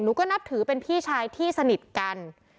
ก็นับถือเป็นพี่ชายที่สนิทกัน